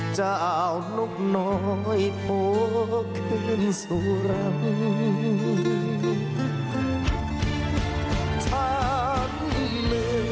จะเอานกน้อยโอ้คืนสุรม